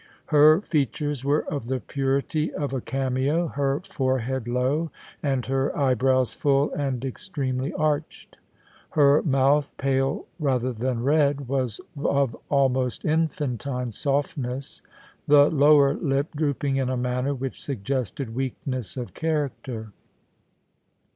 Her features were of the purity of a cameo, her forehead low, and her eyebrows full and extremely arched. Her mouth, pale rather than red, was of almost infantine softness, the lower lip drooping in a manner which suggested weakness of character.